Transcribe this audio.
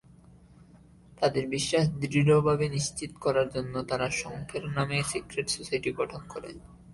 তাদের বিশ্বাস দৃঢ়ভাবে নিশ্চিত করার জন্য তারা শঙ্খের নামে সিক্রেট সোসাইটি গঠন করে।